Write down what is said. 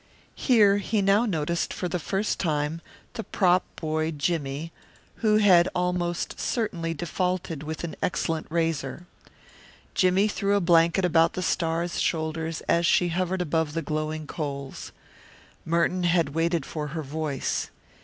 Here he now noticed for the first time the prop boy Jimmie, he who had almost certainly defaulted with an excellent razor. Jimmie threw a blanket about the star's shoulders as she hovered above the glowing coals. Merton had waited for her voice.